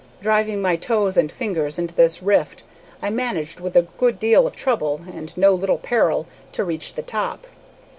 Driving my toes and fingers into this rift, I managed, with a good deal of trouble, and no little peril, to reach the top.